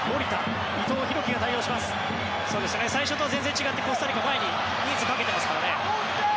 最初と全然違ってコスタリカ前に人数かけてますからね。